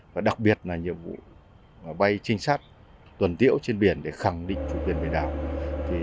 và đặc biệt là nhiệm vụ bay trinh sát tuần tiễu trên biển để khẳng định chủ quyền biển đảo